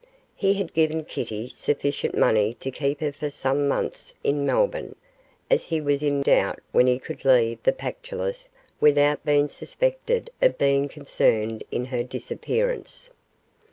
He had given Kitty sufficient money to keep her for some months in Melbourne, as he was in doubt when he could leave the Pactolus without being suspected of being concerned in her disappearance.